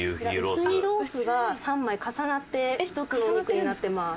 薄いロースが３枚重なって１つのお肉になってます。